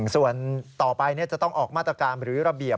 ส่วนต่อไปจะต้องออกมาตรการหรือระเบียบ